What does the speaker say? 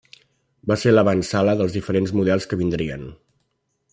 Va ser l'avantsala dels diferents models que vindrien.